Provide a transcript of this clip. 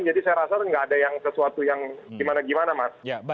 jadi saya rasa enggak ada yang sesuatu yang gimana gimana mas